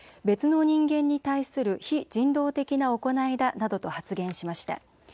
別の人間に対する非人道的な行いだなどと発言しました。